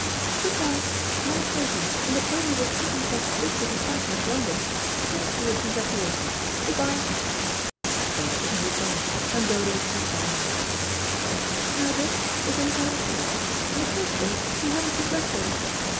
"Good bye; Maud's waiting, and the pony will kick himself to bits if he stands much longer. Thanks for your congratulations. Good bye." Bertie moved off, and Dodo sat down next Jack. "Now, Jack, we're going to have a talk. In the first place you haven't congratulated me.